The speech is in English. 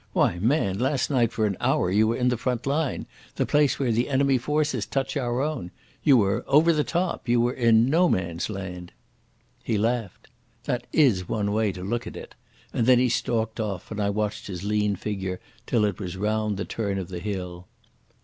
"Why, man, last night for an hour you were in the front line—the place where the enemy forces touch our own. You were over the top—you were in No man's land." He laughed. "That is one way to look at it'; and then he stalked off and I watched his lean figure till it was round the turn of the hill.